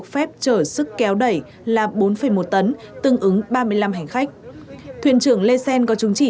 khép chở sức kéo đẩy là bốn một tấn tương ứng ba mươi năm hành khách thuyền trưởng lê sen có chứng chỉ